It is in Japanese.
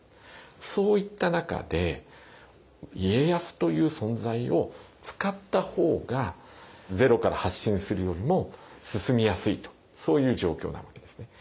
そういった中で家康という存在を使った方がゼロから発進するよりも進みやすいとそういう状況なわけですね。